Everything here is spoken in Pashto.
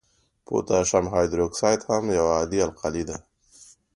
پوتاشیم هایدروکساید هم یو عادي القلي ده.